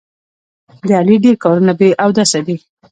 د علي ډېر کارونه بې اودسه دي.